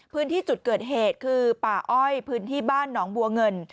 พื้นที่จุดเกิดเหตุคือป่าอ้อยพื้นที่บ้านหนองบัวเงิน